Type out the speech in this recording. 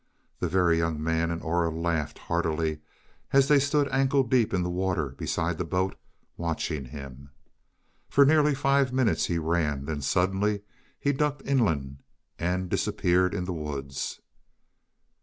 The Very Young Man and Aura laughed heartily as they stood ankle deep in the water beside the boat, watching him. For nearly five minutes he ran; then suddenly he ducked inland and disappeared in the woods.